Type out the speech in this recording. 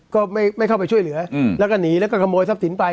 ก็ไม่เข้าไปช่วยเหลือแล้วก็หนีแล้วก็ขโมยทรัพย์สินไป